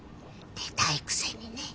出たいくせにね。